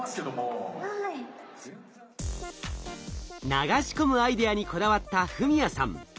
流し込むアイデアにこだわった史哉さん。